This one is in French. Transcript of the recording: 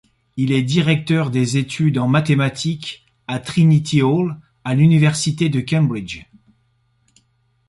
Il est directeur des études en mathématiques à Trinity Hall, à l'Université de Cambridge.